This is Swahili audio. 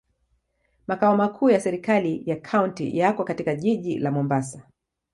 Makao makuu ya serikali ya kaunti yako katika jiji la Mombasa.